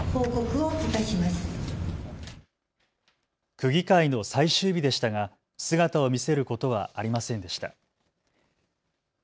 区議会の最終日でしたが姿を見せることはありませんでした。